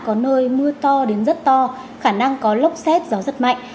có nơi mưa to đến rất to khả năng có lốc xét gió rất mạnh